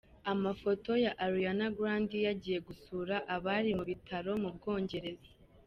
Amafoto ya Ariana Grande yagiye gusura abari mu bitaro mu Bwongereza.